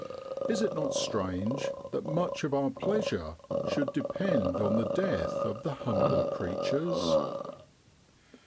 Is it not strange that much of our pleasure should depend on the death of the humbler creatures